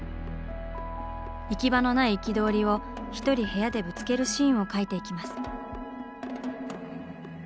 行き場のない憤りを一人部屋でぶつけるシーンを描いていきます。